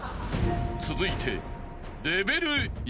［続いて］